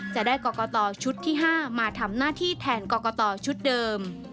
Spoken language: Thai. จะได้กรกตชุดที่๕มาทำหน้าที่แทนกรกตชุดเดิม